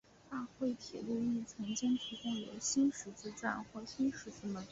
大都会铁路亦曾经提供由新十字站或新十字门站往返南肯辛顿站的列车服务。